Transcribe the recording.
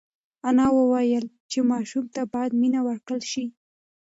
انا وویل چې ماشوم ته باید مینه ورکړل شي.